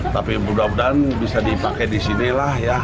tapi mudah mudahan bisa dipakai di sini lah ya